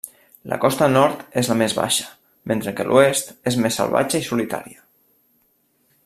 La costa nord és la més baixa, mentre que l'oest és més salvatge i solitària.